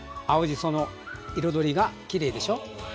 青じその彩りがきれいでしょ。